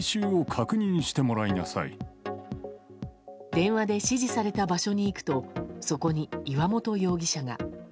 電話で指示された場所に行くとそこに、岩本容疑者が。